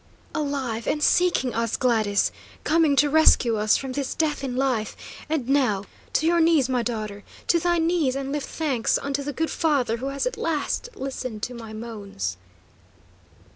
"Alive, and seeking us, Gladys! Coming to rescue us from this death in life, and now to your knees, my daughter; to thy knees, and lift thanks unto the good Father who has at last listened to my moans!"